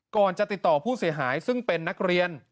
ก่อนจะติดต่อผู้เสียหายซึ่งเป็นนักเรียน